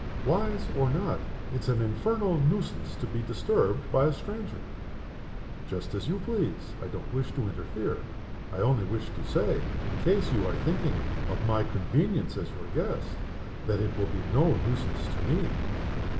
"Wise or not, it's an infernal nuisance to be disturbed by a stranger." "Just as you please. I don't wish to interfere. I only wish to say in case you are thinking of my convenience as your guest that it will be no nuisance to _me.